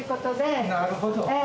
なるほど。